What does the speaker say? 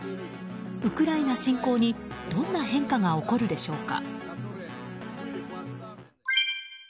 ウクライナ侵攻にどんな変化が起こるでしょうか。